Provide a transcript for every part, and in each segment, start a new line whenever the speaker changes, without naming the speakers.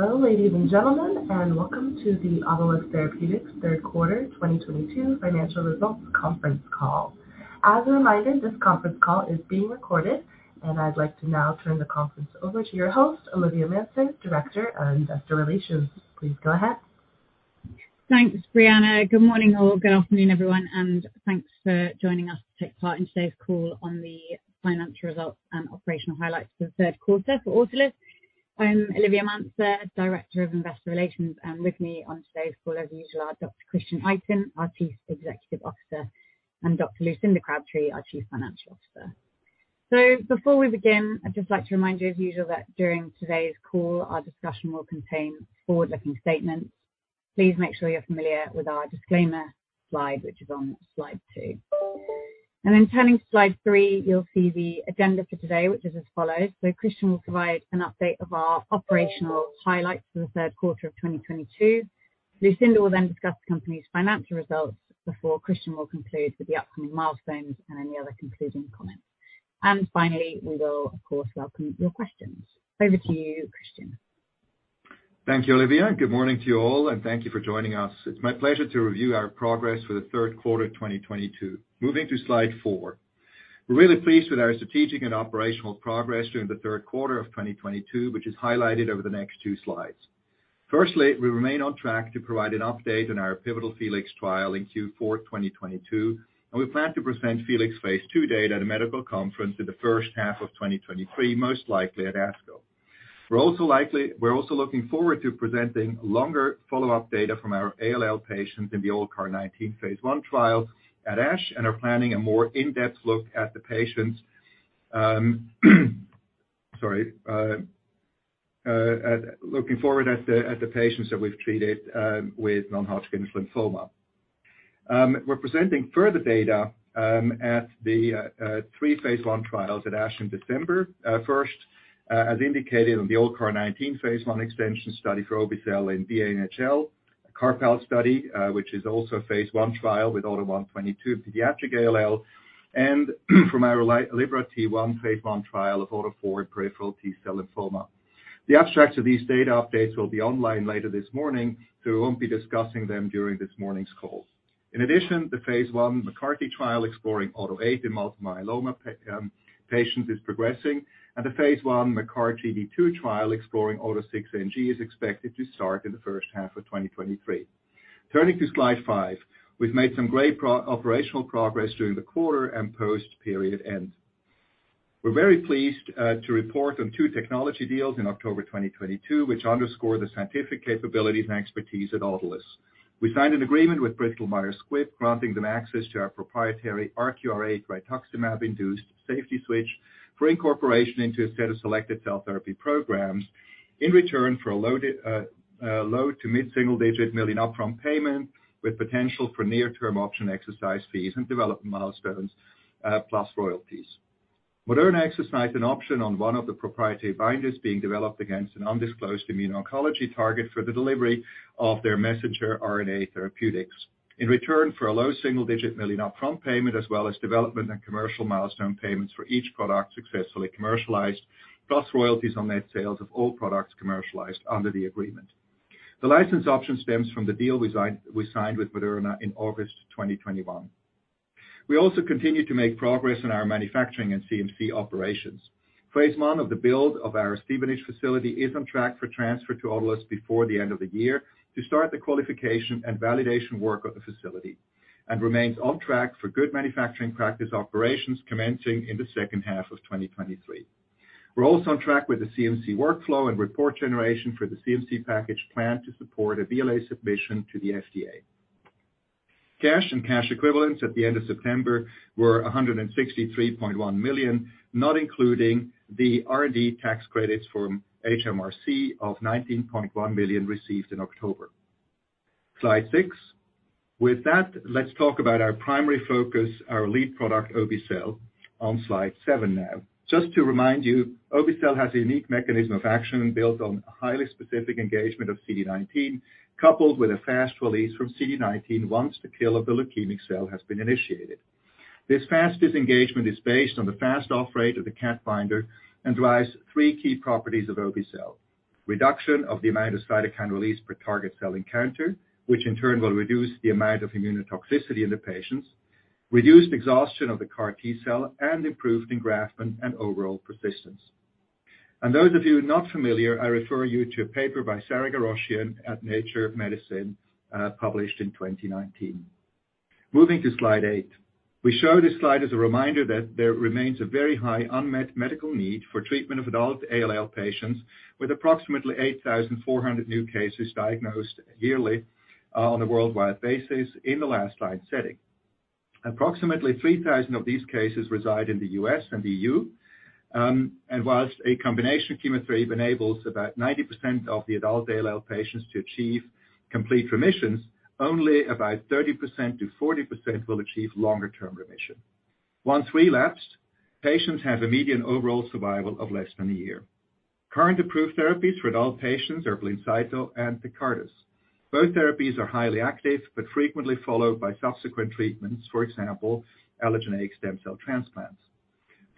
Hello, ladies and gentlemen, and welcome to the Autolus Therapeutics Third Quarter 2022 Financial Results Conference Call. As a reminder, this conference call is being recorded, and I'd like to now turn the conference over to your host, Olivia Manser, Director of Investor Relations. Please go ahead.
Thanks, Breanna. Good morning or good afternoon, everyone, and thanks for joining us to take part in today's call on the financial results and operational highlights for the third quarter for Autolus. I'm Olivia Manser, Director of Investor Relations, and with me on today's call as usual are Dr. Christian Itin, our Chief Executive Officer, and Dr. Lucinda Crabtree, our Chief Financial Officer. Before we begin, I'd just like to remind you as usual that during today's call, our discussion will contain forward-looking statements. Please make sure you're familiar with our disclaimer slide, which is on slide two. Turning to slide three, you'll see the agenda for today, which is as follows. Christian will provide an update of our operational highlights for the third quarter of 2022. Lucinda will then discuss the company's financial results before Christian will conclude with the upcoming milestones and any other concluding comments. Finally, we will of course, welcome your questions. Over to you, Christian.
Thank you, Olivia. Good morning to you all, and thank you for joining us. It's my pleasure to review our progress for the third quarter of 2022. Moving to slide four. We're really pleased with our strategic and operational progress during the third quarter of 2022, which is highlighted over the next two slides. Firstly, we remain on track to provide an update on our pivotal FELIX trial in Q4 2022, and we plan to present FELIX phase II data at a medical conference in the first half of 2023, most likely at ASCO. We're also looking forward to presenting longer follow-up data from our ALL patients in the ALLCAR19 phase I trials at ASH, and are planning a more in-depth look at the patients that we've treated with non-Hodgkin lymphoma. We're presenting further data at the three phase I trials at ASH in December. First, as indicated on the ALLCAR19 phase I extension study for obe-cel in B-NHL, CARPALL study, which is also a phase I trial with AUTO1/22 pediatric ALL, and from our LibraT1 phase I trial of AUTO4 peripheral T-cell lymphoma. The abstracts of these data updates will be online later this morning, so we won't be discussing them during this morning's call. In addition, the phase I McCARTY trial exploring AUTO8 in multiple myeloma patients is progressing, and the phase I McCARTY-2 trial exploring AUTO6-NG is expected to start in the first half of 2023. Turning to slide five. We've made some great operational progress during the quarter and post-period end. We're very pleased to report on two technology deals in October 2022, which underscore the scientific capabilities and expertise at Autolus. We signed an agreement with Bristol Myers Squibb, granting them access to our proprietary RQR8 rituximab-induced safety switch for incorporation into a set of selected cell therapy programs in return for a low- to mid-single-digit million upfront payment with potential for near-term option exercise fees and development milestones, plus royalties. Moderna exercised an option on one of the proprietary binders being developed against an undisclosed immuno-oncology target for the delivery of their messenger RNA therapeutics. In return for a $1-$9 million upfront payment as well as development and commercial milestone payments for each product successfully commercialized, plus royalties on net sales of all products commercialized under the agreement. The license option stems from the deal we signed with Moderna in August 2021. We also continue to make progress in our manufacturing and CMC operations. phase I of the build of our Stevenage facility is on track for transfer to Autolus before the end of the year to start the qualification and validation work of the facility, and remains on track for good manufacturing practice operations commencing in the second half of 2023. We're also on track with the CMC workflow and report generation for the CMC package planned to support a BLA submission to the FDA. Cash and cash equivalents at the end of September were $163.1 million, not including the R&D tax credits from HMRC of $19.1 million received in October. Slide six. With that, let's talk about our primary focus, our lead product, obe-cel, on Slide seven now. Just to remind you, obe-cel has a unique mechanism of action built on highly specific engagement of CD19, coupled with a fast release from CD19 once the kill of the leukemic cell has been initiated. This fast disengagement is based on the fast off-rate of the CAT binder and drives three key properties of obe-cel, reduction of the amount of cytokine release per target cell encounter, which in turn will reduce the amount of immunotoxicity in the patients, reduced exhaustion of the CAR T-cell, and improved engraftment and overall persistence. Those of you not familiar, I refer you to a paper by Sara Ghorashian at Nature Medicine, published in 2019. Moving to slide eight. We show this slide as a reminder that there remains a very high unmet medical need for treatment of adult ALL patients with approximately 8,400 new cases diagnosed yearly, on a worldwide basis in the last slide setting. Approximately 3,000 of these cases reside in the U.S. and EU, while a combination chemotherapy enables about 90% of the adult ALL patients to achieve complete remissions, only about 30%-40% will achieve longer-term remission. Once relapsed, patients have a median overall survival of less than a year. Current approved therapies for adult patients are BLINCYTO and TECARTUS. Both therapies are highly active but frequently followed by subsequent treatments, for example, allogeneic stem cell transplants.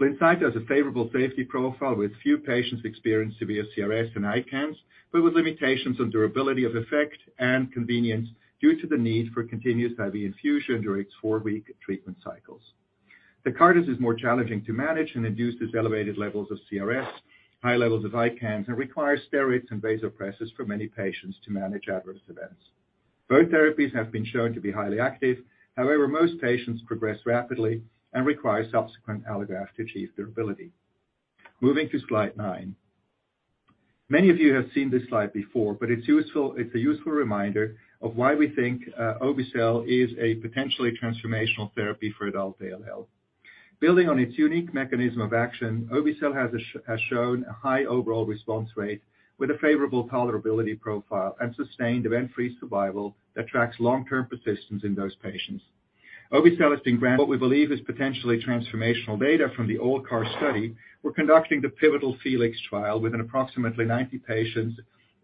BLINCYTO has a favorable safety profile with few patients experiencing severe CRS and ICANS, but with limitations on durability of effect and convenience due to the need for continuous IV infusion during its four-week treatment cycles. TECARTUS is more challenging to manage and induces elevated levels of CRS, high levels of ICANS, and requires steroids and vasopressors for many patients to manage adverse events. Both therapies have been shown to be highly active. However, most patients progress rapidly and require subsequent allograft to achieve durability. Moving to slide nine. Many of you have seen this slide before, but it's useful, it's a useful reminder of why we think obe-cel is a potentially transformational therapy for adult ALL. Building on its unique mechanism of action, obe-cel has shown a high overall response rate with a favorable tolerability profile and sustained event-free survival that tracks long-term persistence in those patients. Obe-cel is in great, what we believe is potentially transformational data from the ALLCAR study. We're conducting the pivotal FELIX trial with approximately 90 patients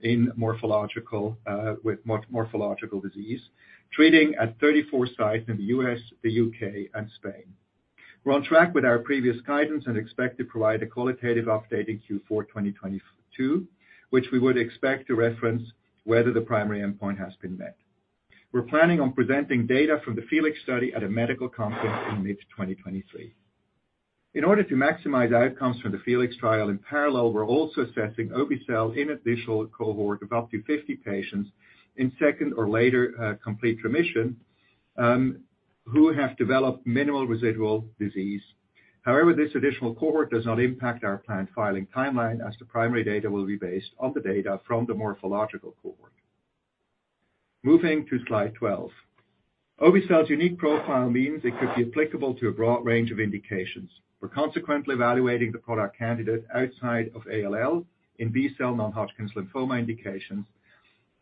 with morphological disease, treating at 34 sites in the U.S., the U.K., and Spain. We're on track with our previous guidance and expect to provide a qualitative update in Q4 of 2022, which we would expect to reference whether the primary endpoint has been met. We're planning on presenting data from the FELIX study at a medical conference in mid-2023. In order to maximize outcomes from the FELIX trial, in parallel, we're also assessing obe-cel in additional cohort of up to 50 patients in second or later complete remission who have developed minimal residual disease. However, this additional cohort does not impact our planned filing timeline, as the primary data will be based on the data from the morphological cohort. Moving to slide 12. Obe-cel's unique profile means it could be applicable to a broad range of indications. We're consequently evaluating the product candidate outside of ALL in B-cell non-Hodgkin's lymphoma indications,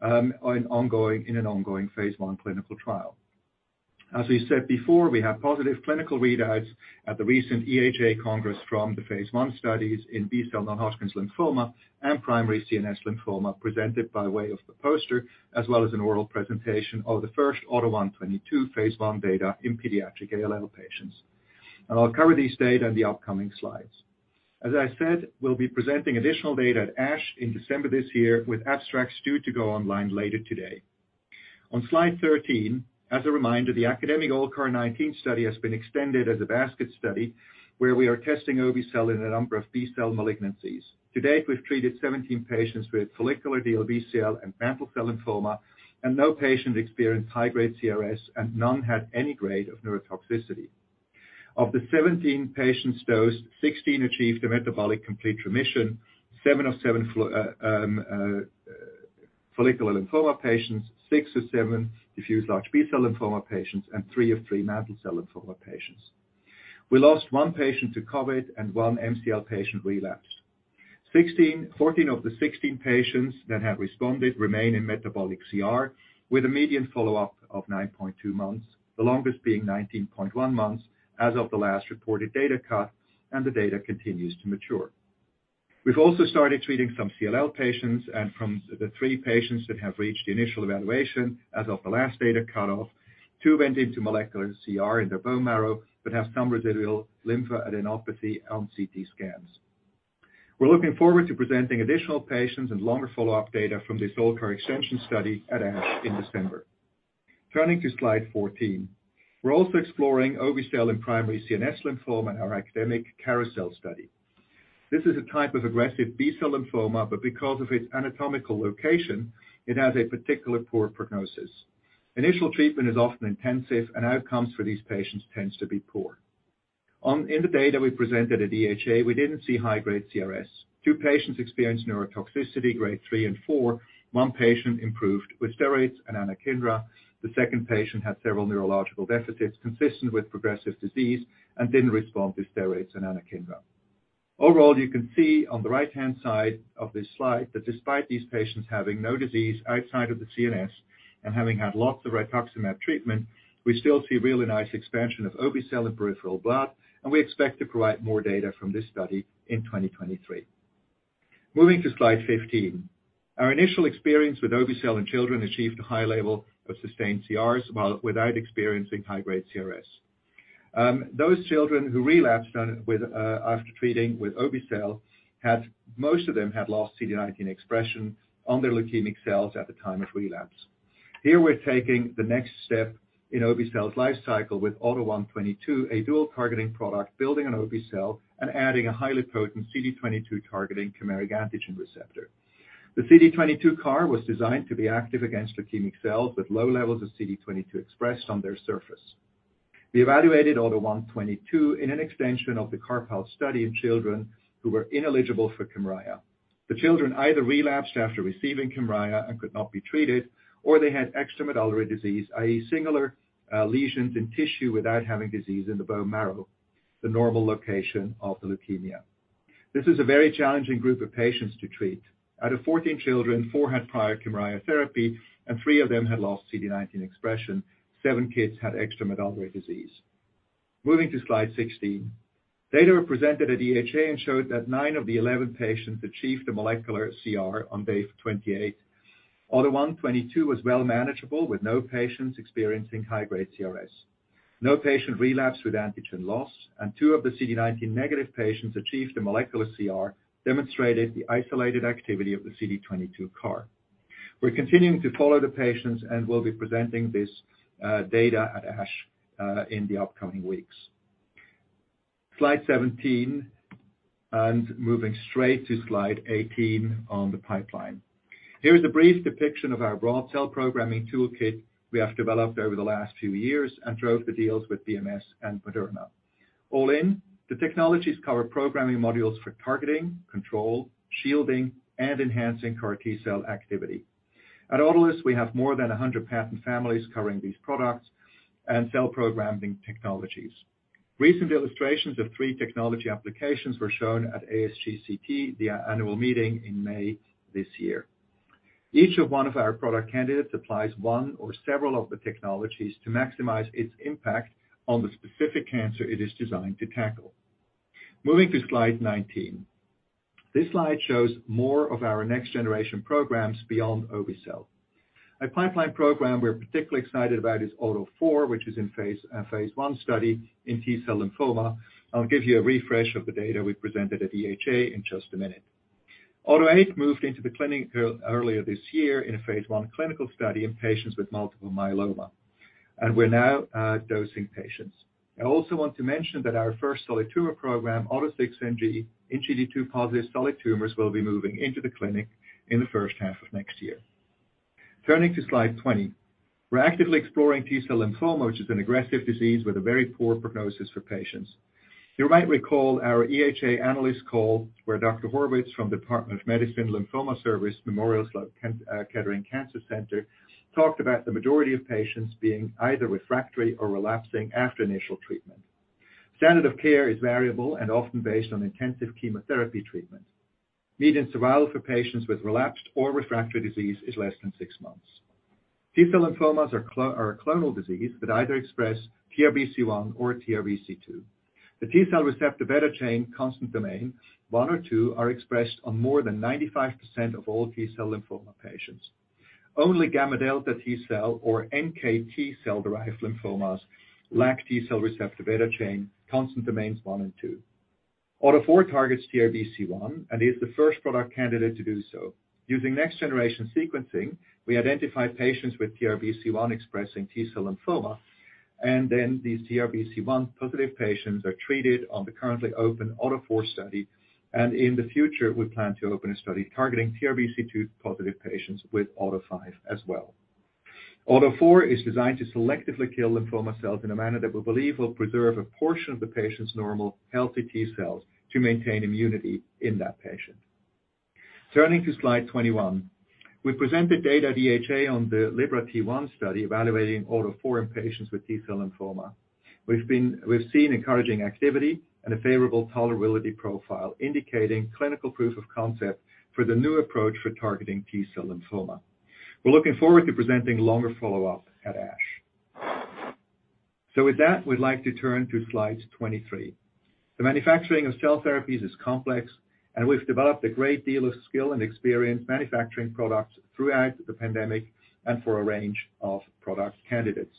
in an ongoing phase I clinical trial. As we said before, we have positive clinical readouts at the recent EHA Congress from the phase I studies in B-cell non-Hodgkin's lymphoma and primary CNS lymphoma, presented by way of the poster, as well as an oral presentation of the first AUTO1/22 phase I data in pediatric ALL patients. I'll cover these data in the upcoming slides. As I said, we'll be presenting additional data at ASH in December this year, with abstracts due to go online later today. On slide 13, as a reminder, the academic ALLCAR19 study has been extended as a basket study where we are testing obe-cel in a number of B-cell malignancies. To date, we've treated 17 patients with follicular DLBCL and mantle cell lymphoma, and no patient experienced high-grade CRS, and none had any grade of neurotoxicity. Of the 17 patients dosed, 16 achieved a metabolic complete remission. Seven of seven follicular lymphoma patients, six of seven diffuse large B-cell lymphoma patients, and three of three mantle cell lymphoma patients. We lost one patient to COVID and one MCL patient relapsed. 14 of the 16 patients that have responded remain in metabolic CR, with a median follow-up of 9.2 months, the longest being 19.1 months as of the last reported data cut, and the data continues to mature. We've also started treating some CLL patients, and from the three patients that have reached initial evaluation as of the last data cutoff, two went into molecular CR in their bone marrow, but have some residual lymphadenopathy on CT scans. We're looking forward to presenting additional patients and longer follow-up data from this ALLCAR extension study at ASH in December. Turning to slide 14. We're also exploring obe-cel in primary CNS lymphoma in our academic CAR T-cell study. This is a type of aggressive B-cell lymphoma, but because of its anatomical location, it has a particularly poor prognosis. Initial treatment is often intensive and outcomes for these patients tends to be poor. In the data we presented at EHA, we didn't see high-grade CRS. Two patients experienced neurotoxicity, grade three and four. One patient improved with steroids and Anakinra. The second patient had several neurological deficits consistent with progressive disease and didn't respond to steroids and Anakinra. Overall, you can see on the right-hand side of this slide that despite these patients having no disease outside of the CNS and having had lots of rituximab treatment, we still see really nice expansion of obe-cel in peripheral blood, and we expect to provide more data from this study in 2023. Moving to slide 15. Our initial experience with obe-cel in children achieved a high level of sustained CRs while without experiencing high-grade CRS. Those children who relapsed after treating with obe-cel, most of them had lost CD19 expression on their leukemic cells at the time of relapse. Here we're taking the next step in obe-cel's life cycle with AUTO1/22, a dual targeting product building on obe-cel and adding a highly potent CD22 targeting chimeric antigen receptor. The CD22 CAR was designed to be active against leukemic cells with low levels of CD22 expressed on their surface. We evaluated AUTO1/22 in an extension of the CARPALL study in children who were ineligible for KYMRIAH. The children either relapsed after receiving KYMRIAH and could not be treated, or they had extramedullary disease, i.e., singular lesions in tissue without having disease in the bone marrow, the normal location of the leukemia. This is a very challenging group of patients to treat. Out of 14 children, four had prior KYMRIAH therapy, and three of them had lost CD19 expression. Seven kids had extramedullary disease. Moving to slide 16. Data were presented at EHA and showed that nine of the 11 patients achieved a molecular CR on day 28. AUTO1/22 was well manageable, with no patients experiencing high-grade CRS. No patient relapsed with antigen loss, and two of the CD19 negative patients achieved a molecular CR, demonstrated the isolated activity of the CD22 CAR. We're continuing to follow the patients, and we'll be presenting this data at ASH in the upcoming weeks. Slide 17. Moving straight to slide 18 on the pipeline. Here is a brief depiction of our broad cell programming toolkit we have developed over the last few years and drove the deals with BMS and Moderna. All in, the technologies cover programming modules for targeting, control, shielding, and enhancing CAR T-cell activity. At Autolus, we have more than 100 patent families covering these products and cell programming technologies. Recent illustrations of three technology applications were shown at ASGCT, the annual meeting in May this year. Each of one of our product candidates applies one or several of the technologies to maximize its impact on the specific cancer it is designed to tackle. Moving to slide 19. This slide shows more of our next-generation programs beyond obe-cel. A pipeline program we're particularly excited about is AUTO4, which is in phase I study in T-cell lymphoma. I'll give you a refresh of the data we presented at EHA in just a minute. AUTO8 moved into the clinic earlier this year in a phase I clinical study in patients with multiple myeloma, and we're now dosing patients. I also want to mention that our first solid tumor program, AUTO6NG, in GD2-positive solid tumors, will be moving into the clinic in the first half of next year. Turning to slide 20. We're actively exploring T-cell lymphoma, which is an aggressive disease with a very poor prognosis for patients. You might recall our EHA analyst call, where Dr. Horwitz from Department of Medicine Lymphoma Service, Memorial Sloan Kettering Cancer Center, talked about the majority of patients being either refractory or relapsing after initial treatment. Standard of care is variable and often based on intensive chemotherapy treatment. Median survival for patients with relapsed or refractory disease is less than six months. T-cell lymphomas are a clonal disease that either express TRBC1 or TRBC2. The T-cell receptor beta chain constant domain one or two are expressed on more than 95% of all T-cell lymphoma patients. Only gamma delta T-cell or NKT cell-derived lymphomas lack T-cell receptor beta chain constant domains one and two. AUTO4 targets TRBC1 and is the first product candidate to do so. Using next-generation sequencing, we identify patients with TRBC1 expressing T-cell lymphoma, and then these TRBC1-positive patients are treated on the currently open AUTO4 study. In the future, we plan to open a study targeting TRBC2-positive patients with AUTO5 as well. AUTO4 is designed to selectively kill lymphoma cells in a manner that we believe will preserve a portion of the patient's normal healthy T-cells to maintain immunity in that patient. Turning to slide 21. We presented data at EHA on the LibraT1 study evaluating AUTO4 in patients with T-cell lymphoma. We've seen encouraging activity and a favorable tolerability profile, indicating clinical proof of concept for the new approach for targeting T-cell lymphoma. We're looking forward to presenting longer follow-up at ASH. With that, we'd like to turn to slide 23. The manufacturing of cell therapies is complex, and we've developed a great deal of skill and experience manufacturing products throughout the pandemic and for a range of product candidates.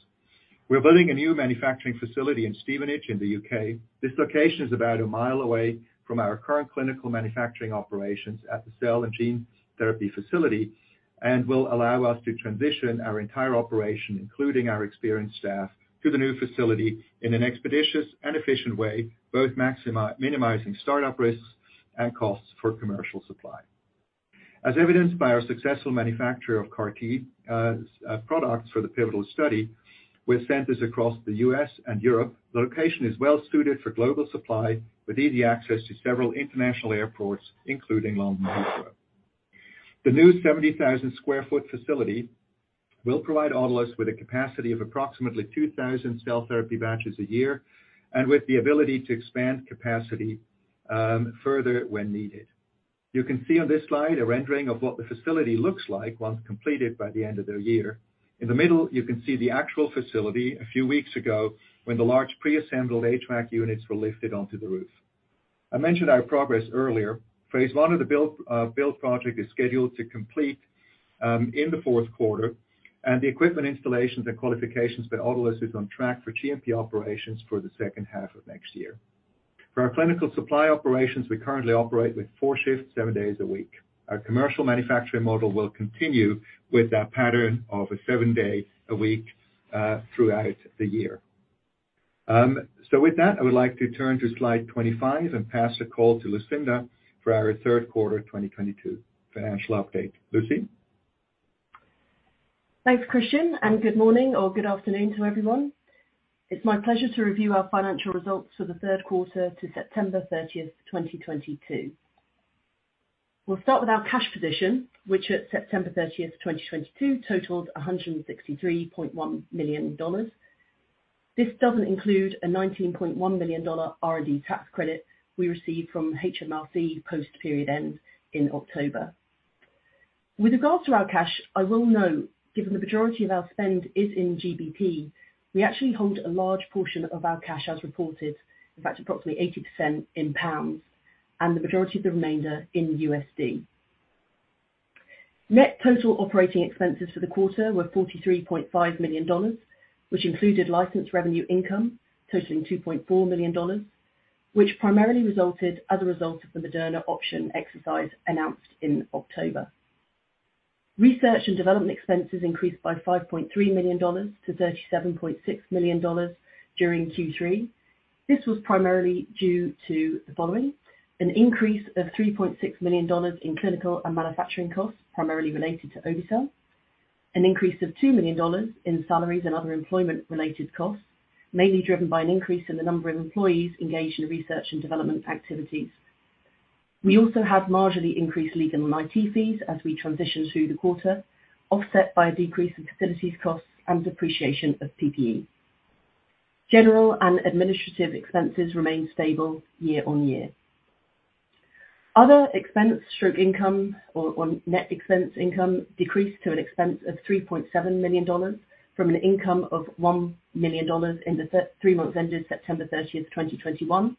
We're building a new manufacturing facility in Stevenage in the U.K. This location is about a mile away from our current clinical manufacturing operations at the cell and gene therapy facility and will allow us to transition our entire operation, including our experienced staff, to the new facility in an expeditious and efficient way, both minimizing start-up risks and costs for commercial supply. As evidenced by our successful manufacture of CAR-T products for the pivotal study with centers across the U.S. and Europe, the location is well suited for global supply, with easy access to several international airports, including London Heathrow. The new 70,000 sq ft facility will provide Autolus with a capacity of approximately 2,000 cell therapy batches a year and with the ability to expand capacity further when needed. You can see on this slide a rendering of what the facility looks like once completed by the end of the year. In the middle, you can see the actual facility a few weeks ago when the large preassembled HVAC units were lifted onto the roof. I mentioned our progress earlier. phase I of the build project is scheduled to complete in the fourth quarter, and the equipment installations and qualifications that Autolus is on track for GMP operations for the second half of next year. For our clinical supply operations, we currently operate with four shifts, seven days a week. Our commercial manufacturing model will continue with that pattern of a seven day a week, throughout the year. With that, I would like to turn to slide 25 and pass the call to Lucinda for our third quarter 2022 financial update. Lucy?
Thanks, Christian, and good morning or good afternoon to everyone. It's my pleasure to review our financial results for the third quarter to September 30th, 2022. We'll start with our cash position, which at September 30th, 2022 totaled $163.1 million. This doesn't include a $19.1 million R&D tax credit we received from HMRC post period end in October. With regards to our cash, I will note, given the majority of our spend is in GBP, we actually hold a large portion of our cash as reported, in fact approximately 80%, in pounds. The majority of the remainder in USD. Net total operating expenses for the quarter were $43.5 million, which included license revenue income totaling $2.4 million, which primarily resulted as a result of the Moderna option exercise announced in October. Research and development expenses increased by $5.3 million to $37.6 million during Q3. This was primarily due to the following. An increase of $3.6 million in clinical and manufacturing costs, primarily related to obe-cel. An increase of $2 million in salaries and other employment-related costs, mainly driven by an increase in the number of employees engaged in research and development activities. We also had marginally increased legal and IT fees as we transitioned through the quarter, offset by a decrease in facilities costs and depreciation of PPE. General and administrative expenses remained stable year-on-year. Other expense, [inaudible] net decreased to an expense of $3.7 million from an income of $1 million in the three months ended September 30th, 2021.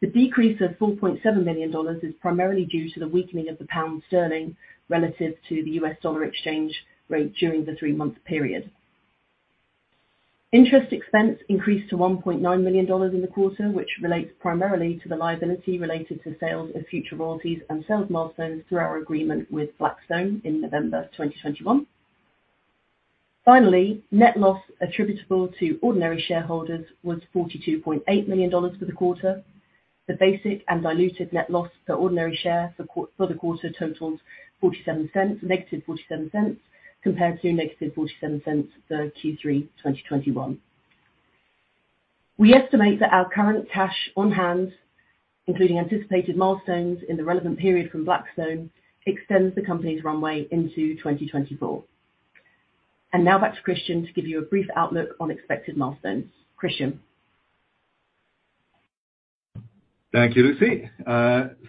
The decrease of $4.7 million is primarily due to the weakening of the pound sterling relative to the U.S. dollar exchange rate during the three-month period. Interest expense increased to $1.9 million in the quarter, which relates primarily to the liability related to sales of future royalties and sales milestones through our agreement with Blackstone in November 2021. Finally, net loss attributable to ordinary shareholders was $42.8 million for the quarter. The basic and diluted net loss per ordinary share for the quarter totaled $-0.47 compared to $-0.47 for Q3 2021. We estimate that our current cash on hand, including anticipated milestones in the relevant period from Blackstone, extends the company's runway into 2024. Now back to Christian to give you a brief outlook on expected milestones. Christian.
Thank you, Lucy.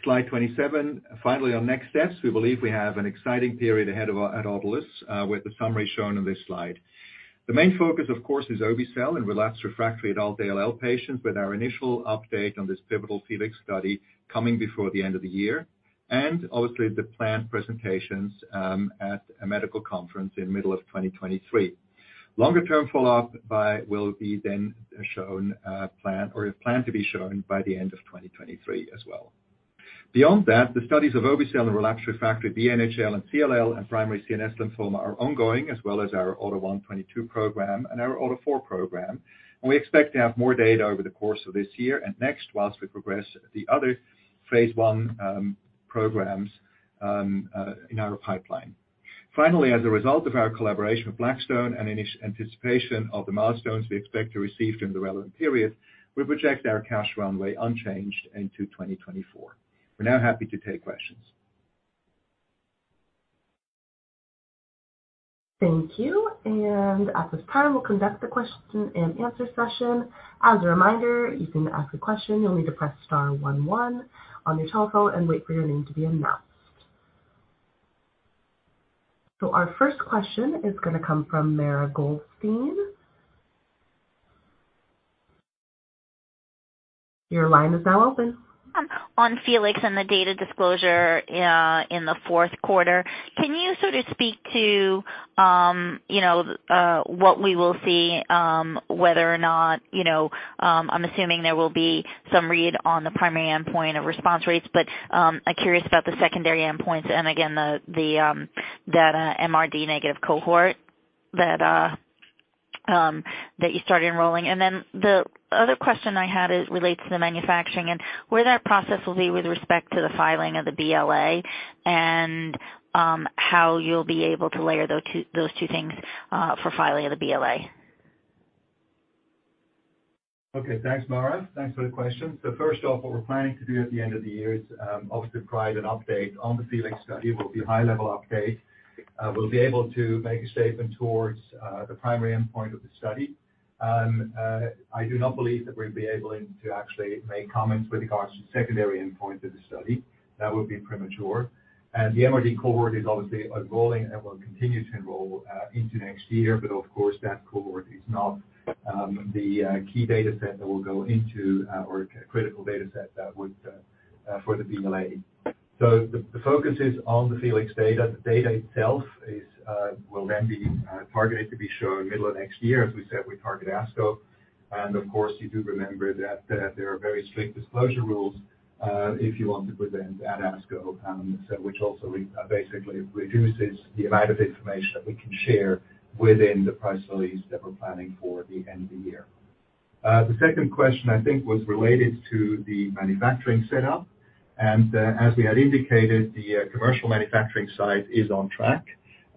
Slide 27. Finally, on next steps, we believe we have an exciting period ahead at Autolus, with the summary shown on this slide. The main focus, of course, is obe-cel in relapsed refractory adult ALL patients, with our initial update on this pivotal FELIX study coming before the end of the year. Obviously the planned presentations at a medical conference in middle of 2023. Longer term follow-up will be then shown, planned or is planned to be shown by the end of 2023 as well. Beyond that, the studies of obe-cel in relapsed refractory B-NHL and CLL and primary CNS lymphoma are ongoing, as well as our AUTO1/22 program and our AUTO4 program. We expect to have more data over the course of this year and next while we progress the other phase I programs in our pipeline. Finally, as a result of our collaboration with Blackstone and in anticipation of the milestones we expect to receive during the relevant period, we project our cash runway unchanged into 2024. We're now happy to take questions.
Thank you. At this time, we'll conduct the question and answer session. As a reminder, you can ask a question. You'll need to press star one one on your telephone and wait for your name to be announced. Our first question is gonna come from Mara Goldstein. Your line is now open.
On FELIX and the data disclosure in the fourth quarter, can you sort of speak to what we will see, whether or not, you know, I'm assuming there will be some read on the primary endpoint of response rates, but I'm curious about the secondary endpoints and again the data MRD negative cohort that you started enrolling. The other question I had is related to the manufacturing and where that process will be with respect to the filing of the BLA and how you'll be able to layer those two things for filing of the BLA.
Okay. Thanks, Mara. Thanks for the question. First off, what we're planning to do at the end of the year is obviously provide an update on the FELIX study. It will be a high-level update. We'll be able to make a statement towards the primary endpoint of the study. I do not believe that we'll be able to actually make comments with regards to secondary endpoint of the study. That would be premature. The MRD cohort is obviously enrolling and will continue to enroll into next year. Of course, that cohort is not the key data set that will go into or critical data set that would for the BLA. The focus is on the FELIX data. The data itself will then be targeted to be shown middle of next year. As we said, we target ASCO. Of course, you do remember that there are very strict disclosure rules if you want to present at ASCO, so which also basically reduces the amount of information that we can share within the press release that we're planning for the end of the year. The second question I think was related to the manufacturing setup. As we had indicated, the commercial manufacturing site is on track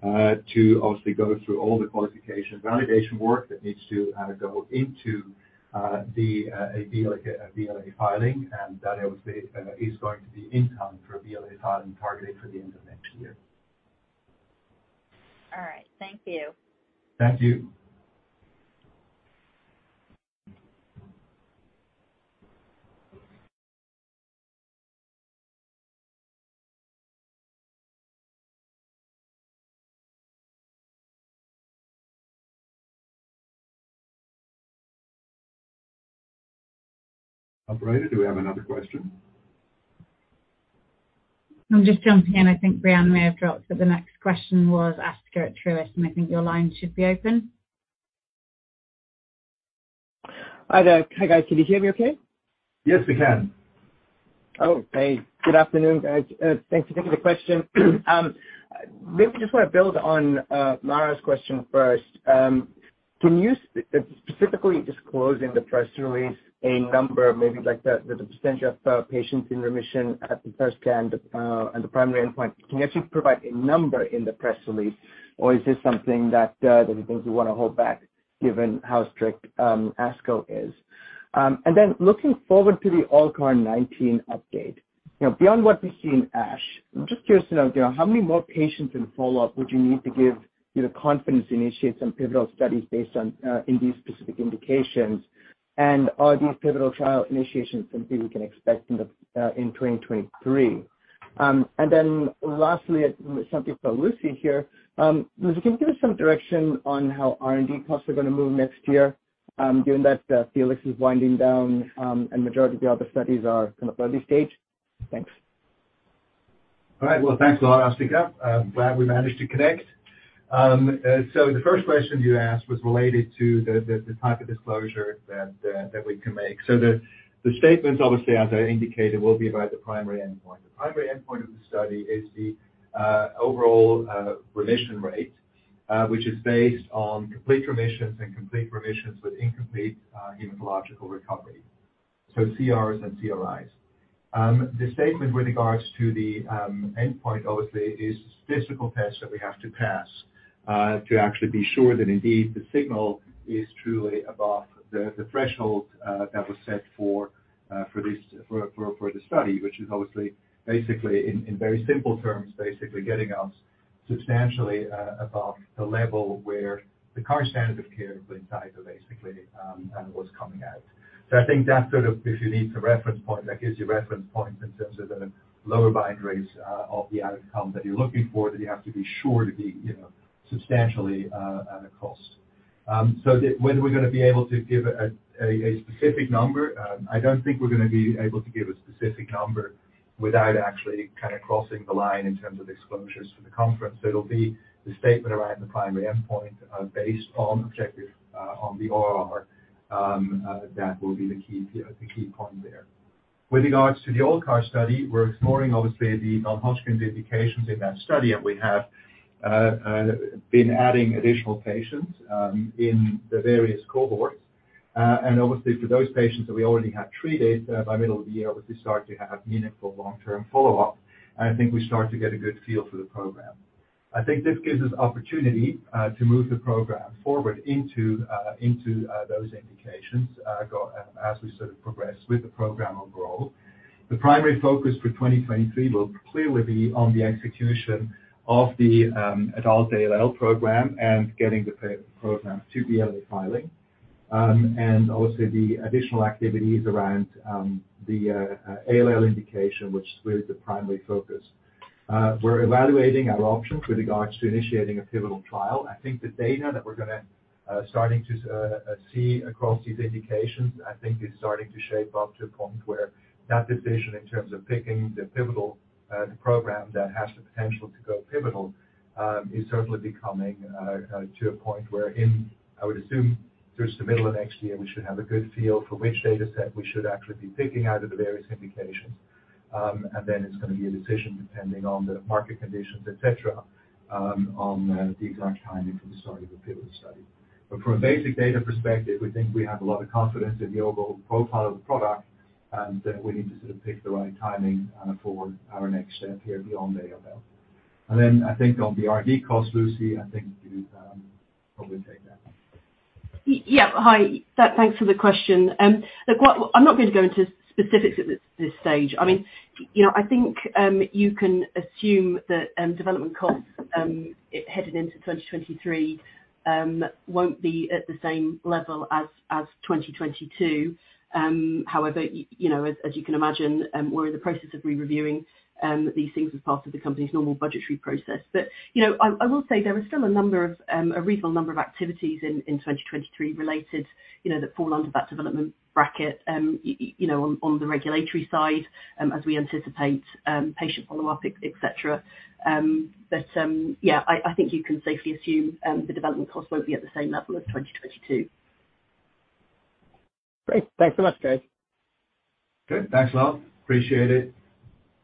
to obviously go through all the qualification validation work that needs to go into a BLA filing. That obviously is going to be in time for a BLA filing targeted for the end of next year.
All right. Thank you.
Thank you. Operator, do we have another question?
I'm just jumping in. I think Breanna may have dropped that the next question was Asthika at Truist, and I think your line should be open.
Hi there. Hi, guys. Can you hear me okay?
Yes, we can.
Oh, hey, good afternoon, guys. Thanks for taking the question. Maybe just want to build on Mara's question first. Can you specifically disclose in the press release a number maybe like the percentage of patients in remission at the first scan and the primary endpoint? Can you actually provide a number in the press release, or is this something that you think you want to hold back given how strict ASCO is? And then looking forward to the ALLCAR19 update, you know, beyond what we see in ASH, I'm just curious to know, you know, how many more patients in follow-up would you need to give you the confidence to initiate some pivotal studies based on in these specific indications? And are these pivotal trial initiations something we can expect in 2023? Lastly, something for Lucy here. Lucy, can you give us some direction on how R&D costs are gonna move next year, given that, FELIX is winding down, and majority of the other studies are kind of early stage? Thanks.
All right. Well, thanks a lot, Asthika. I'm glad we managed to connect. The first question you asked was related to the type of disclosure that we can make. The statements, obviously, as I indicated, will be about the primary endpoint. The primary endpoint of the study is the overall remission rate, which is based on complete remissions and complete remissions with incomplete hematologic recovery, so CRs and CRIs. The statement with regards to the endpoint obviously is statistical tests that we have to pass to actually be sure that indeed the signal is truly above the threshold that was set for the study, which is obviously basically in very simple terms basically getting us substantially above the level where the current standard of care basically was coming out. I think that's sort of, if you need the reference point, that gives you reference points in terms of the lower event rates of the outcome that you're looking for, that you have to be sure to be, you know, substantially undercut. Whether we're gonna be able to give a specific number, I don't think we're gonna be able to give a specific number without actually kinda crossing the line in terms of disclosures for the conference. It'll be the statement around the primary endpoint based on the ORR. That will be the key point there. With regards to the ALLCAR study, we're exploring obviously the non-Hodgkin indications in that study, and we have been adding additional patients in the various cohorts. Obviously for those patients that we already have treated, by middle of the year we start to have meaningful long-term follow-up, and I think we start to get a good feel for the program. I think this gives us opportunity to move the program forward into those indications as we sort of progress with the program overall. The primary focus for 2023 will clearly be on the execution of the adult ALL program and getting the programs to the BLA filing and also the additional activities around the ALL indication, which is really the primary focus. We're evaluating our options with regards to initiating a pivotal trial. I think the data that we're gonna start to see across these indications is starting to shape up to a point where that decision in terms of picking the pivotal program that has the potential to go pivotal is certainly coming to a point wherein I would assume towards the middle of next year we should have a good feel for which dataset we should actually be picking out of the various indications. It's gonna be a decision depending on the market conditions, et cetera, on the exact timing for the start of the pivotal study. From a basic data perspective, we think we have a lot of confidence in the overall profile of the product, and we need to sort of pick the right timing for our next step here beyond ALL. I think on the R&D cost, Lucy, I think you probably take that one.
Yeah. Hi. Thanks for the question. Look, I'm not gonna go into specifics at this stage. I mean, you know, I think you can assume that development costs headed into 2023 won't be at the same level as 2022. However, you know, as you can imagine, we're in the process of re-reviewing these things as part of the company's normal budgetary process. You know, I will say there are still a number of a reasonable number of activities in 2023 related, you know, that fall under that development bracket, you know, on the regulatory side, as we anticipate patient follow-up, et cetera. Yeah, I think you can safely assume the development costs won't be at the same level as 2022.
Great. Thanks a lot, guys.
Good. Thanks a lot. Appreciate it.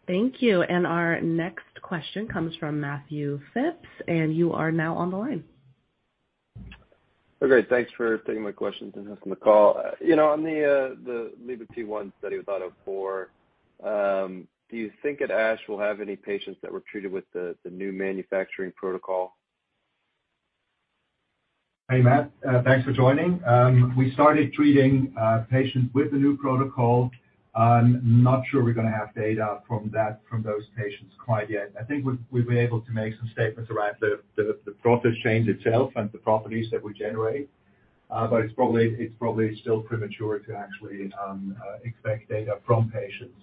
Thank you. Our next question comes from Matthew Phipps, and you are now on the line.
Oh, great. Thanks for taking my questions and hosting the call. You know, on the LibraT1 study with AUTO4, do you think at ASH we'll have any patients that were treated with the new manufacturing protocol?
Hey, Matt. Thanks for joining. We started treating patients with the new protocol. I'm not sure we're gonna have data from that, from those patients quite yet. I think we'll be able to make some statements around the process change itself and the properties that we generate. But it's probably still premature to actually expect data from patients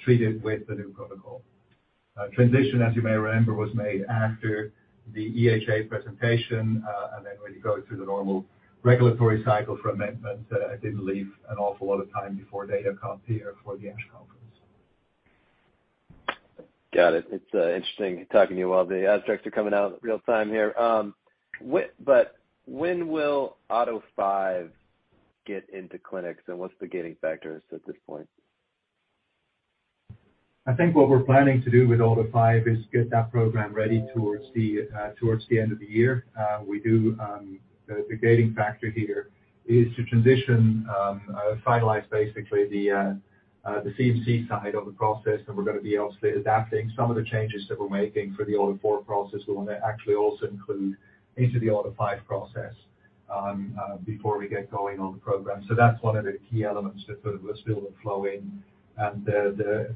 treated with the new protocol. Transition, as you may remember, was made after the EHA presentation, and then when you go through the normal regulatory cycle for amendment, it didn't leave an awful lot of time before data comes here for the ASH conference.
Got it. It's interesting talking to you while the abstracts are coming out real-time here. When will AUTO5 get into clinics, and what's the gating factors at this point?
I think what we're planning to do with AUTO5 is get that program ready towards the end of the year. The gating factor here is to transition, finalize basically the CMC side of the process, and we're gonna be obviously adapting some of the changes that we're making for the AUTO4 process. We wanna actually also include into the AUTO5 process before we get going on the program. So that's one of the key elements that sort of will spill and flow in. The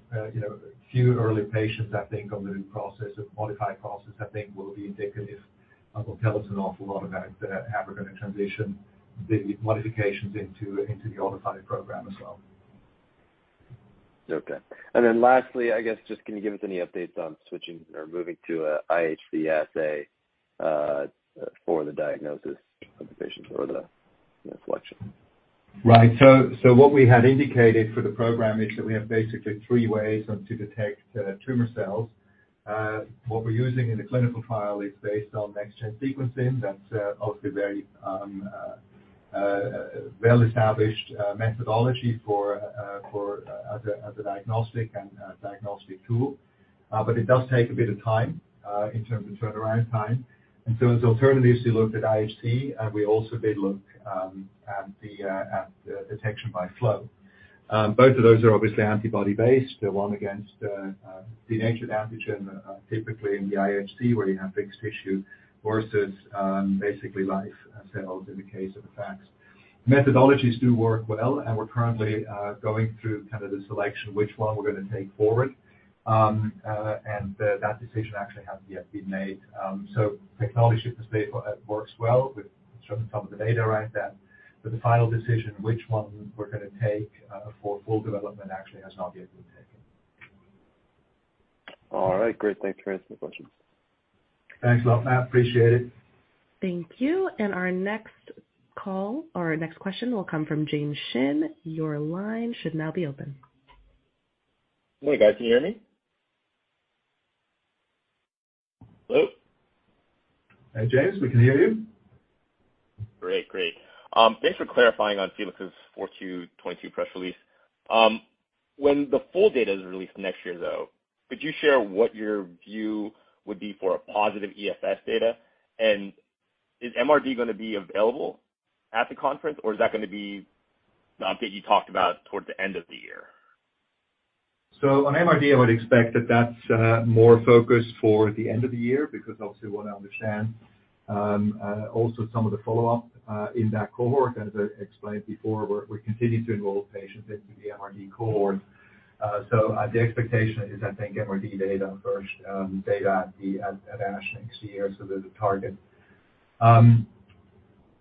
few early patients, you know, I think, on the new process, the modified process, I think will be indicative and will tell us an awful lot about how we're gonna transition the modifications into the AUTO5 program as well.
Okay. Lastly, I guess just can you give us any updates on switching or moving to IHC assay for the diagnosis of the patients or the, you know, selection?
Right. What we had indicated for the program is that we have basically three ways to detect tumor cells. What we're using in the clinical trial is based on next-generation sequencing. That's obviously very well-established methodology for assessing a diagnostic tool. But it does take a bit of time in terms of turnaround time. As alternatives, we looked at IHC, and we also did look at detection by flow. Both of those are obviously antibody-based, one against denatured antigen, typically in the IHC where you have fixed tissue versus basically live cells in the case of the FACS. Methodologies do work well, and we're currently going through kind of the selection, which one we're gonna take forward. That decision actually hasn't yet been made. Technology in this space works well. We've shown some of the data right there. The final decision, which one we're gonna take, for full development actually has not yet been taken.
All right. Great. Thanks for answering the questions.
Thanks a lot, Matt. Appreciate it.
Thank you. Our next call or next question will come from James Shin. Your line should now be open.
Oh my God. Can you hear me? Hello?
Hey, James. We can hear you.
Great. Thanks for clarifying on FELIX's 4/2/2022 press release. When the full data is released next year, though, could you share what your view would be for a positive EFS data? Is MRD gonna be available at the conference, or is that gonna be the update you talked about towards the end of the year?
On MRD, I would expect that that's more focused for the end of the year because obviously we wanna understand also some of the follow-up in that cohort. As I explained before, we're continuing to enroll patients into the MRD cohort. The expectation is, I think, MRD data first, data at the ASH next year. There's a target.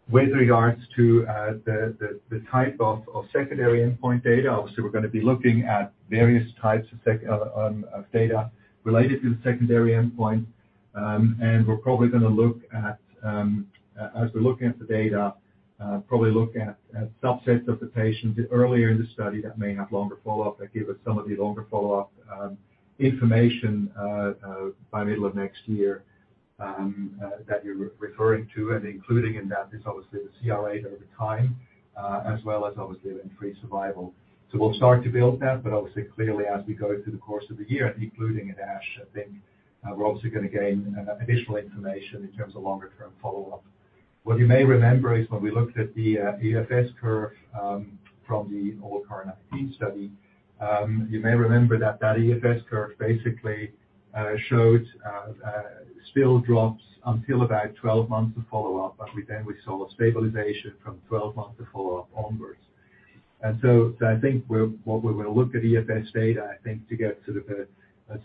With regards to the type of secondary endpoint data, obviously we're gonna be looking at various types of data related to the secondary endpoint. We're probably gonna look at, as we're looking at the data, subsets of the patients earlier in the study that may have longer follow-up that give us some of the information by middle of next year that you're referring to. Including in that is obviously the CR over time, as well as obviously the increased survival. We'll start to build that, but obviously, clearly, as we go through the course of the year and including at ASH, I think, we're obviously gonna gain additional information in terms of longer term follow-up. What you may remember is when we looked at the EFS curve from the old CAR T study, you may remember that EFS curve basically showed still drops until about 12 months of follow-up, but we saw a stabilization from 12 months of follow-up onwards. I think what we're gonna look at EFS data, I think to get sort of a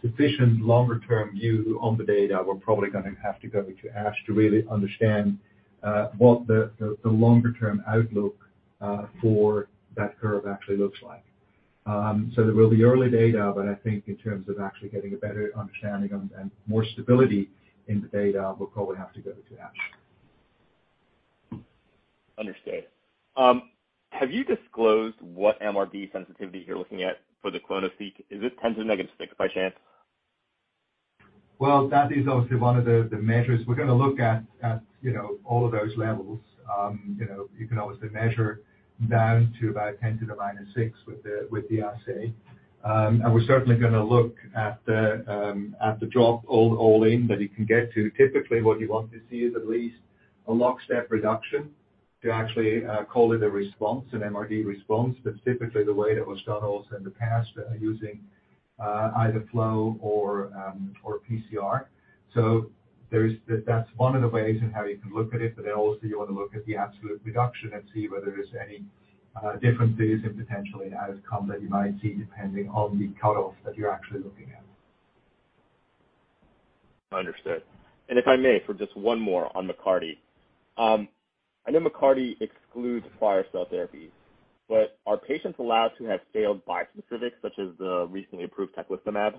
sufficient longer term view on the data, we're probably gonna have to go to ASH to really understand what the longer term outlook for that curve actually looks like. There will be early data, but I think in terms of actually getting a better understanding and more stability in the data, we'll probably have to go to ASH.
Understood. Have you disclosed what MRD sensitivity you're looking at for the clonoSEQ? Is it 10 to the -6 by chance?
Well, that is obviously one of the measures. We're gonna look at, you know, all of those levels. You know, you can obviously measure down to about 10 to the -6 with the assay. We're certainly gonna look at the drop all in that you can get to. Typically, what you want to see is at least a lockstep reduction to actually call it a response, an MRD response, specifically the way that was done also in the past using either flow or PCR. That's one of the ways in how you can look at it, but then also you wanna look at the absolute reduction and see whether there's any differences in potentially an outcome that you might see depending on the cut-offs that you're actually looking at.
Understood. If I may, for just one more on McCARTY. I know McCARTY excludes CAR T-cell therapy, but are patients allowed to have failed bispecific, such as the recently approved Teclistamab?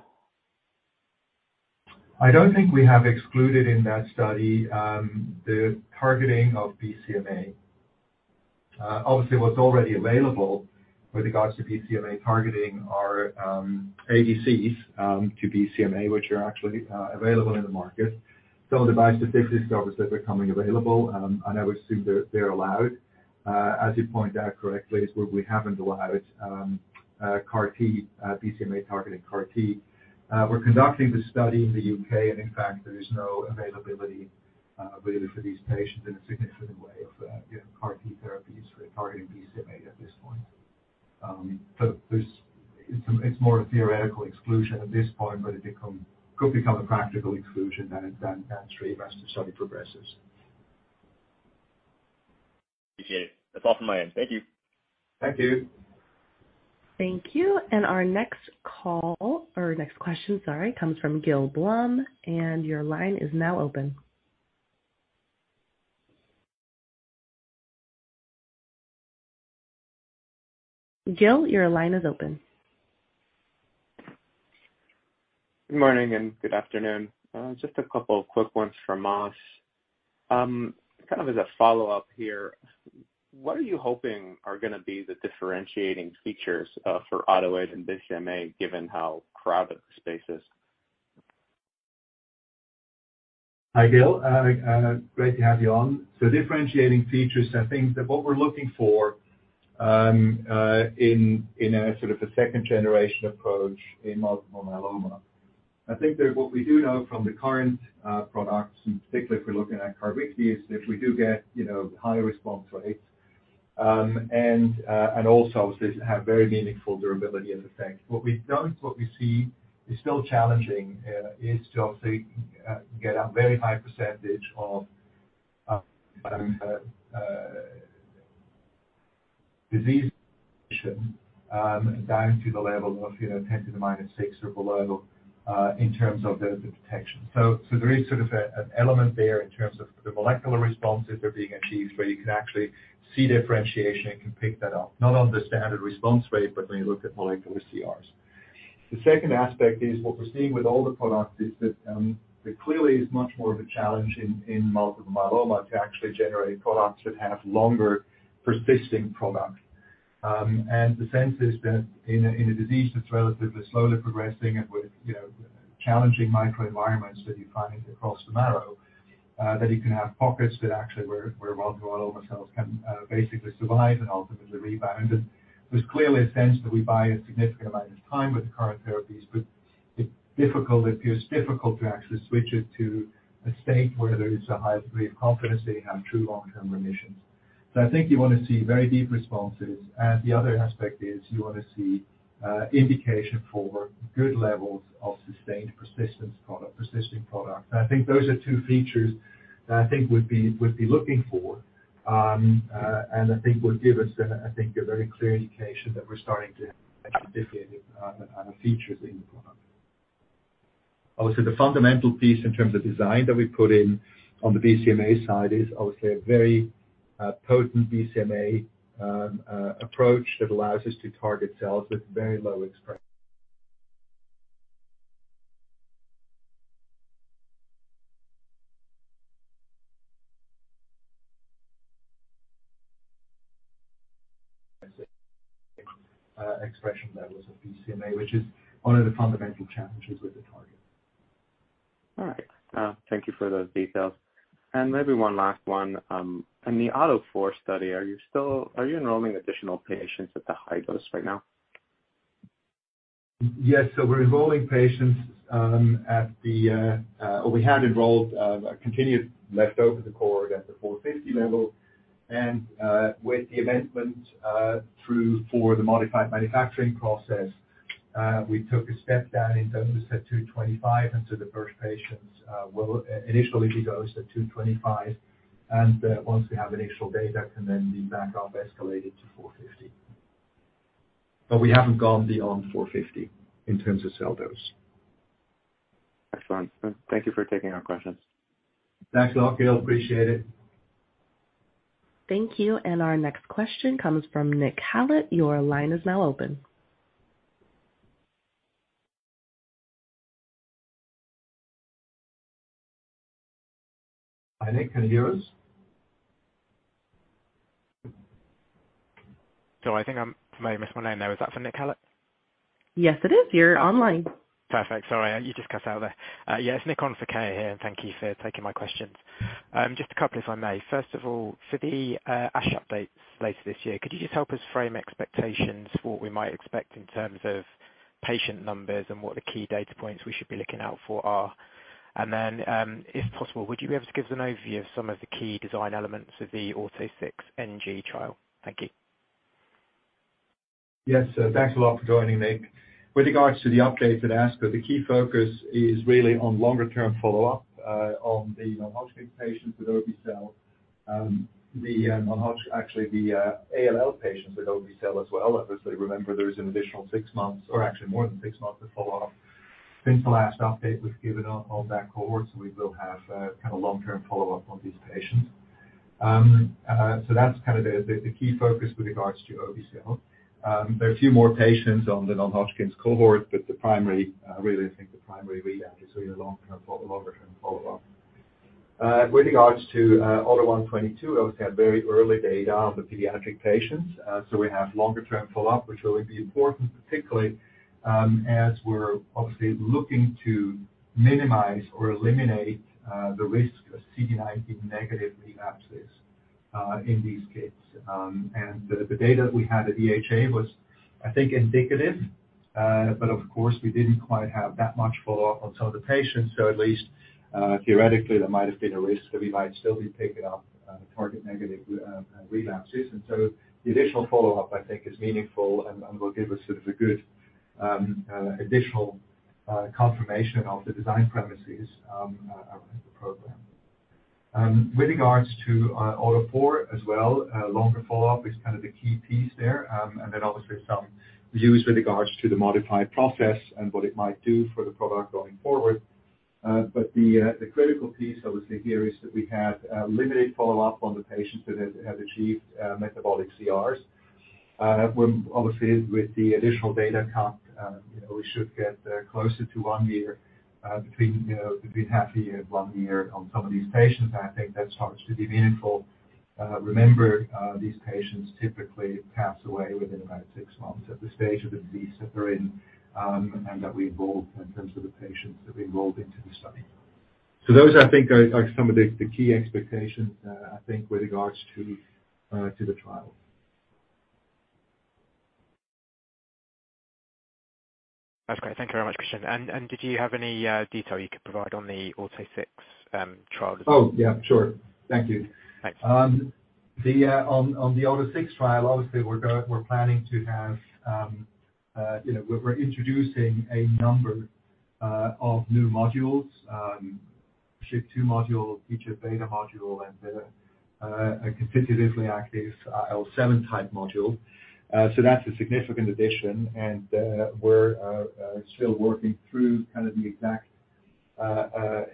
I don't think we have excluded in that study the targeting of BCMA. Obviously, what's already available with regards to BCMA targeting are ADCs to BCMA, which are actually available in the market. The bispecifics, obviously, they're becoming available, and I would assume they're allowed. As you point out correctly is where we haven't allowed CAR T, BCMA targeting CAR T. We're conducting the study in the U.K. and in fact, there is no availability really for these patients in a significant way of you know, CAR T therapies for targeting BCMA at this point. It's more a theoretical exclusion at this point, but it could become a practical exclusion then as the study progresses.
Appreciate it. That's all from my end. Thank you.
Thank you.
Thank you. Our next call or next question, sorry, comes from Gil Blum. Your line is now open. Gil, your line is open.
Good morning and good afternoon. Just a couple of quick ones for Mas. Kind of as a follow-up here, what are you hoping are gonna be the differentiating features for AUTO8 and BCMA given how crowded the space is?
Hi, Gil. Great to have you on. Differentiating features, I think that what we're looking for in a sort of a second generation approach in multiple myeloma, I think that what we do know from the current products, and particularly if we're looking at CARVYKTI, is if we do get, you know, high response rates, and also obviously have very meaningful durability and effect. What we see is still challenging is to obviously get a very high percentage of disease down to the level of, you know, 10 to the minus six or below in terms of detection. There is sort of an element there in terms of the molecular responses are being achieved, where you can actually see differentiation and can pick that up, not on the standard response rate, but when you look at molecular CRs. The second aspect is what we're seeing with all the products is that there clearly is much more of a challenge in multiple myeloma to actually generate products that have longer persisting product. The sense is that in a disease that's relatively slowly progressing and with, you know, challenging microenvironments that you find across the marrow, that you can have pockets that actually where multiple myeloma cells can basically survive and ultimately rebound. There's clearly a sense that we buy a significant amount of time with the current therapies, but it's difficult. It appears difficult to actually switch it to a state where there is a high degree of confidence that you have true long-term remissions. I think you wanna see very deep responses. The other aspect is you wanna see indication for good levels of sustained persistence product, persisting product. I think those are two features that I think we'd be looking for, and I think would give us a very clear indication that we're starting to have differentiated features in the product. Obviously, the fundamental piece in terms of design that we put in on the BCMA side is obviously a very potent BCMA approach that allows us to target cells with very low expression levels of BCMA, which is one of the fundamental challenges with the target.
All right. Thank you for those details. Maybe one last one. In the AUTO4 study, are you enrolling additional patients at the high dose right now?
We're enrolling patients or we had enrolled, continued to fill the cohort at the 450 level. With the amendment through for the modified manufacturing process, we took a step down in terms of 225, and so the first patients will initially be dosed at 225. Once we have initial data, can then be escalated back up to 450. We haven't gone beyond 450 in terms of cell dose.
Excellent. Thank you for taking our questions.
Thanks a lot, Gil. Appreciate it.
Thank you. Our next question comes from Nick Hallet. Your line is now open.
Hi, Nick. Can you hear us?
I think I maybe missed my name there. Was that for Nick Hallet?
Yes, it is. You're online.
Perfect. Sorry, you just cut out there. It's Nick on for Kaye here, and thank you for taking my questions. Just a couple, if I may. First of all, for the ASH updates later this year, could you just help us frame expectations for what we might expect in terms of patient numbers and what the key data points we should be looking out for are? If possible, would you be able to give us an overview of some of the key design elements of the AUTO6NG trial? Thank you.
Yes. Thanks a lot for joining, Nick. With regards to the update at ASH, the key focus is really on longer term follow-up on the multiple patients with obe-cel. Actually the ALL patients with obe-cel as well. Obviously, remember there's an additional six months or actually more than six months of follow-up since the last update we've given on that cohort, so we will have kind of long-term follow-up on these patients. That's kind of the key focus with regards to obe-cel. There are a few more patients on the non-Hodgkin's cohort, but the primary really, I think the primary readout is really the long-term follow-up, longer-term follow-up. With regards to AUTO1/22, obviously had very early data on the pediatric patients. We have longer term follow-up, which will be important, particularly, as we're obviously looking to minimize or eliminate the risk of CD19 negative relapses in these kids. The data we had at EHA was, I think, indicative. Of course, we didn't quite have that much follow-up on some of the patients, so at least, theoretically there might have been a risk that we might still be picking up target negative relapses. The additional follow-up, I think is meaningful and will give us sort of a good additional confirmation of the design premises of the program. With regards to AUTO4 as well, longer follow-up is kind of the key piece there. Obviously some views with regards to the modified process and what it might do for the product going forward. The critical piece obviously here is that we have limited follow-up on the patients that have achieved metabolic CRs. We're obviously with the additional data cut, you know, we should get closer to one year, between half a year, one year on some of these patients. I think that starts to be meaningful. Remember, these patients typically pass away within about six months at the stage of the disease that they're in, and that we enrolled in terms of the patients that we enrolled into the study. Those I think are some of the key expectations, I think with regards to the trial.
That's great. Thank you very much, Christian. Did you have any detail you could provide on the AUTO6 trial as well?
Oh, yeah, sure. Thank you.
Thanks.
On the AUTO6 trial, obviously we're planning to have, you know, we're introducing a number of new modules, dSHP2 module, TGFβ module and a constitutively active IL-7 type module. So that's a significant addition. We're still working through kind of the exact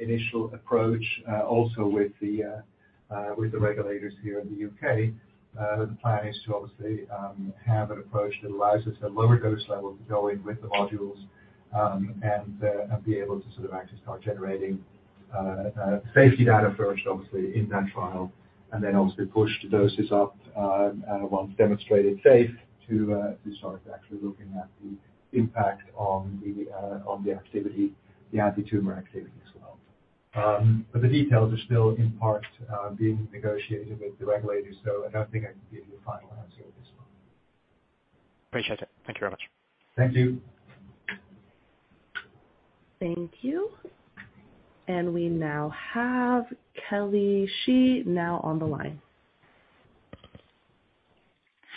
initial approach, also with the regulators here in the U.K. The plan is to obviously have an approach that allows us a lower dose level to go in with the modules, and be able to sort of actually start generating safety data first, obviously in that trial, and then obviously push the doses up once demonstrated safe to start actually looking at the impact on the activity, the antitumor activity as well. The details are still in part being negotiated with the regulators, so I don't think I can give you a final answer at this point.
Appreciate it. Thank you very much.
Thank you.
Thank you. We now have Kelly Shi now on the line.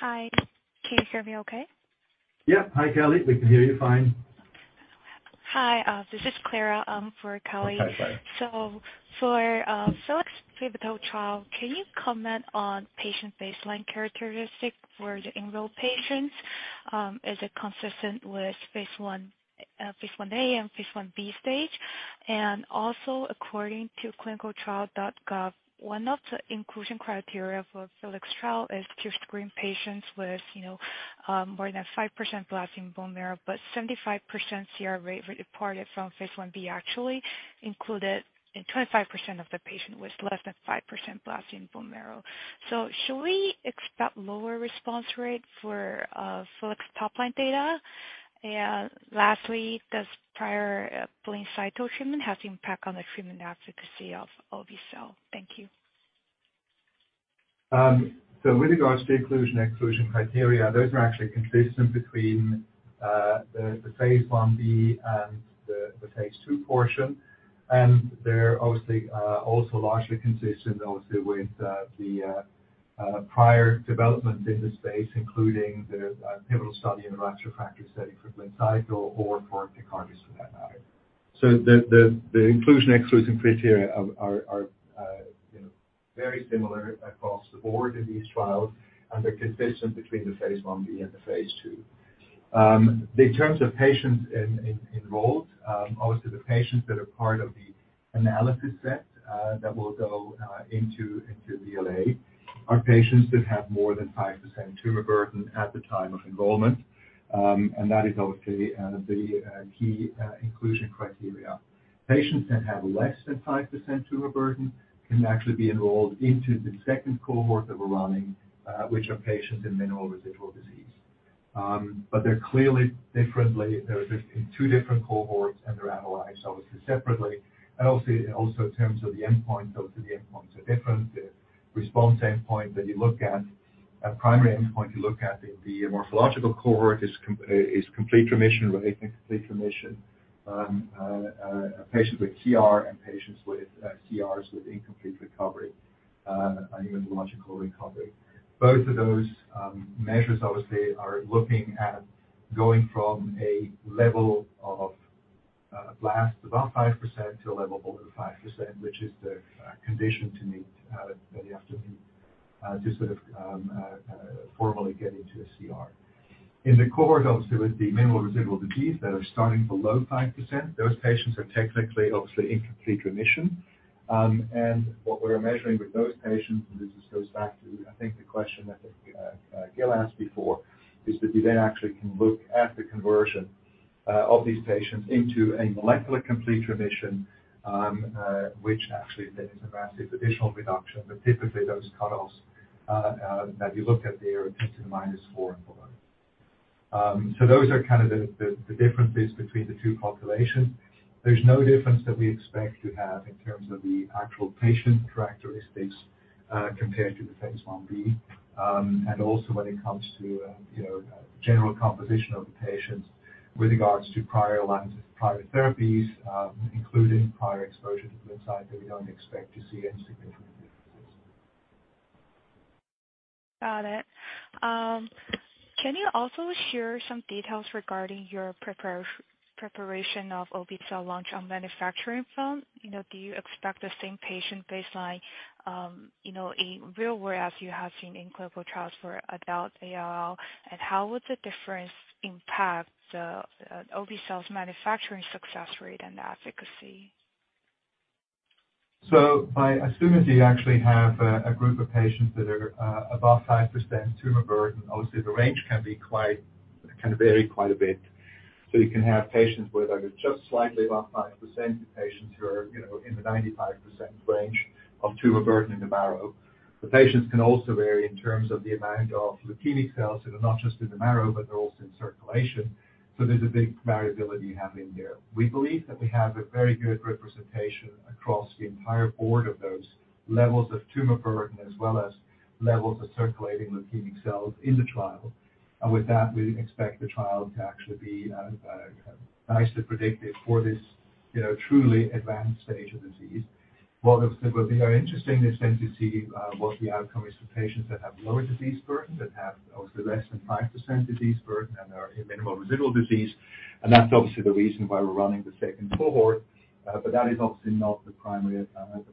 Hi. Can you hear me okay?
Yeah. Hi, Kelly. We can hear you fine.
Hi, this is Clara, for Dingding.
Okay, sorry.
For FELIX pivotal trial, can you comment on patient baseline characteristics for the enrolled patients? Is it consistent with phase I-B? according to ClinicalTrials.gov, one of the inclusion criteria for FELIX trial is to screen patients with more than 5% blasts in bone marrow, but 75% CR rate reported phase I-B actually included 25% of the patients with less than 5% blasts in bone marrow. Should we expect lower response rate for FELIX top line data? Lastly, does prior BLINCYTO treatment have impact on the treatment efficacy of obe-cel? Thank you.
With regards to inclusion/exclusion criteria, those are actually consistent between phase I-B and the phase II portion. They're obviously also largely consistent also with the prior development in this space, including the pivotal study in the refractory setting for BLINCYTO or for TECARTUS for that matter. The inclusion, exclusion criteria are you know, very similar across the board in these trials and they're consistent between phase I-B and the phase II. In terms of patients enrolled, obviously the patients that are part of the analysis set that will go into the BLA are patients that have more than 5% tumor burden at the time of enrollment. That is obviously the key inclusion criteria. Patients that have less than 5% tumor burden can actually be enrolled into the second cohort that we're running, which are patients in minimal residual disease. They're clearly different. They're just in two different cohorts, and they're analyzed obviously separately. Obviously also in terms of the endpoint, obviously the endpoints are different. The response endpoint that you look at, primary endpoint you look at in the morphological cohort, is complete remission relating to complete remission. Patients with CR and patients with CRi. Both of those measures obviously are looking at going from a level of less than about 5% to a level over 5%, which is the condition to meet that you have to meet to sort of formally get into a CR. In the cohort of those with the minimal residual disease that are starting below 5%, those patients are technically obviously in complete remission. What we're measuring with those patients, and this goes back to, I think the question that Gil asked before, is that you then actually can look at the conversion of these patients into a molecular complete remission, which actually then is a massive additional reduction. Typically those cutoffs that you look at there are 10 to the minus four and below. Those are kind of the differences between the two populations. There's no difference that we expect to have in terms of the actual patient characteristics compared to the phase I-B. When it comes to, you know, general composition of the patients with regards to prior lines of prior therapies, including prior exposure to blinatumomab, we don't expect to see any significant differences.
Got it. Can you also share some details regarding your preparation of obe-cel launch on manufacturing firm? You know, do you expect the same patient baseline, you know, in real world as you have seen in clinical trials for adult ALL, and how would the difference impact the obe-cel's manufacturing success rate and efficacy?
As soon as you actually have a group of patients that are above 5% tumor burden, obviously the range can be quite, can vary quite a bit. You can have patients where they're just slightly above 5% to patients who are, you know, in the 95% range of tumor burden in the marrow. The patients can also vary in terms of the amount of leukemic cells that are not just in the marrow, but they're also in circulation. There's a big variability happening there. We believe that we have a very good representation across the entire board of those levels of tumor burden, as well as levels of circulating leukemic cells in the trial. With that, we expect the trial to actually be nicely predictive for this, you know, truly advanced stage of disease. That will be very interesting is then to see what the outcome is for patients that have lower disease burden, that have obviously less than 5% disease burden and are in minimal residual disease. That's obviously the reason why we're running the second cohort. That is obviously not the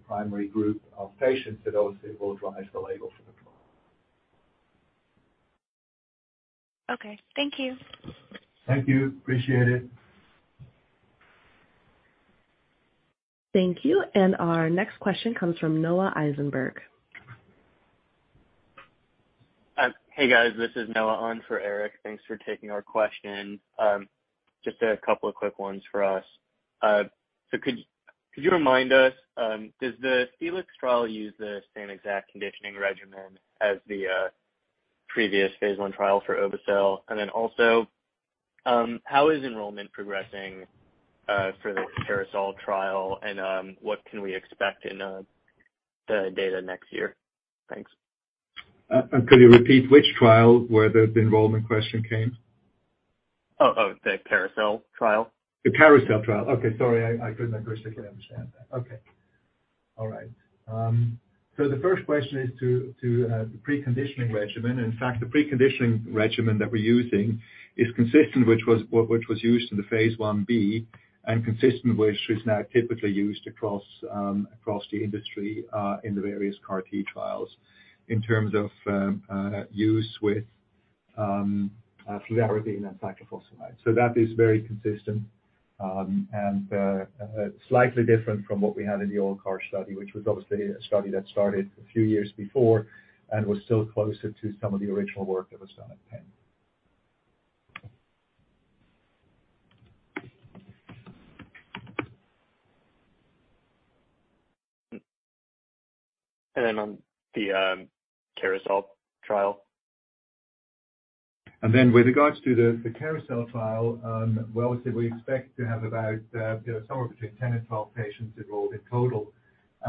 primary group of patients that obviously will drive the label for the trial.
Okay. Thank you.
Thank you. Appreciate it.
Thank you. Our next question comes from Noah Eisenberg.
Hey, guys. This is Noah on for Eric. Thanks for taking our question. Just a couple of quick ones for us. Could you remind us, does the FELIX trial use the same exact conditioning regimen as the previous phase I trial for obe-cel? And then also, how is enrollment progressing for the CARLYSLE trial, and what can we expect in the data next year? Thanks.
Could you repeat which trial where the enrollment question came?
The CARLYSLE trial.
The CARLYSLE trial. Sorry, I couldn't accurately understand that. The first question is to the preconditioning regimen. In fact, the preconditioning regimen that we're using is consistent, which was used in phase I-B and consistent, which is now typically used across the industry in the various CAR T trials in terms of use with fludarabine and cyclophosphamide. That is very consistent and slightly different from what we had in the old CAR study, which was obviously a study that started a few years before and was still closer to some of the original work that was done at Penn.
On the CARLYSLE trial.
With regards to the CARLYSLE trial, well, obviously we expect to have about, you know, somewhere between 10 and 12 patients enrolled in total.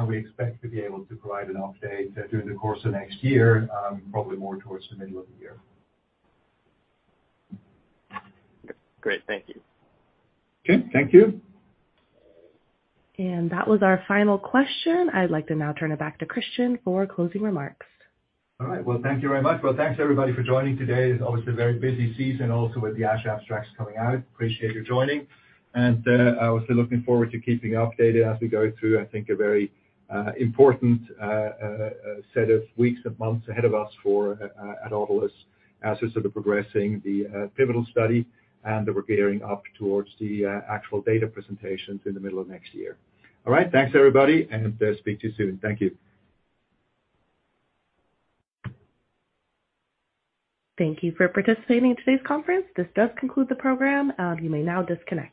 We expect to be able to provide an update during the course of next year, probably more towards the middle of the year.
Great. Thank you.
Okay. Thank you.
That was our final question. I'd like to now turn it back to Christian for closing remarks.
All right. Well, thank you very much. Well, thanks everybody for joining today. It's obviously a very busy season also with the ASH abstracts coming out. Appreciate you joining. Obviously looking forward to keeping you updated as we go through, I think, a very important set of weeks and months ahead of us for at Autolus as we're sort of progressing the pivotal study and that we're gearing up towards the actual data presentations in the middle of next year. All right. Thanks, everybody, and speak to you soon. Thank you.
Thank you for participating in today's conference. This does conclude the program. You may now disconnect.